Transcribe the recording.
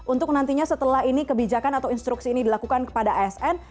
untuk nantinya setelah ini kebijakan atau instruksi ini dilakukan kepada asn